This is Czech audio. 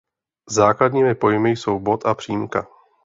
Základními pojmy jsou bod a přímka.